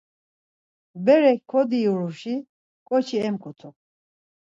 Berek kodiuruşi ǩoçi emǩutu.